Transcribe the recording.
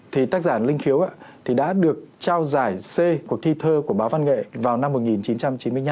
thì tác giả linh khiếu đã được trao giải c cuộc thi thơ của báo văn nghệ vào năm một nghìn chín trăm chín mươi năm